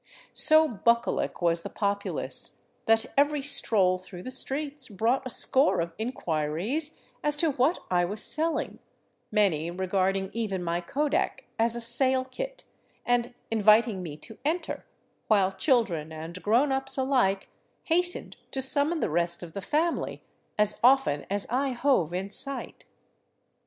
So bucolic was the populace that every stroll through the streets brought a score of inquiries as to what I was selling, many regarding even my kodak as a sale kit and inviting me to enter, while children and grown ups alike hastened to summon the rest of the family as often as I hove in sight.